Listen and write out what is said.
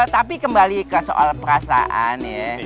tapi kembali ke soal perasaan ya